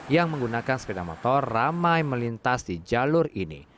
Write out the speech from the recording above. yang menggunakan sepeda motor ramai melintas di jalur ini